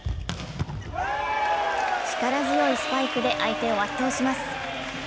力強いスパイクで相手を圧倒します。